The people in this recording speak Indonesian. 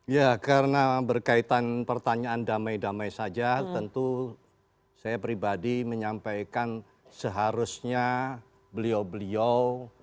ya karena berkaitan pertanyaan damai damai saja tentu saya pribadi menyampaikan seharusnya beliau beliau